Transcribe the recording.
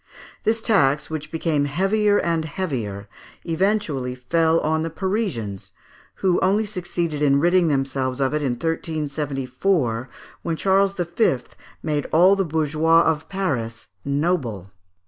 This tax, which became heavier and heavier, eventually fell on the Parisians, who only succeeded in ridding themselves of it in 1374, when Charles V. made all the bourgeois of Paris noble.